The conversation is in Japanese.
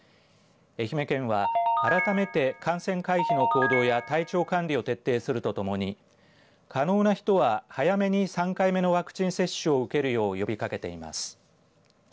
愛媛県は改めて感染回避の行動や体調管理を徹底するとともに可能な人は早めに３回目のワクチン接種を受けるよう呼びかけています。